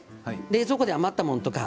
冷蔵庫に余ったものとか。